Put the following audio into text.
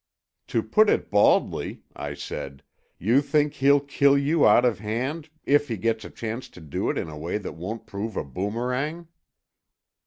"To put it baldly," I said. "You think he'll kill you out of hand—if he gets a chance to do it in a way that won't prove a boomerang?"